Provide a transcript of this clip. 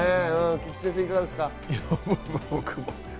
菊地先生、いかがですか？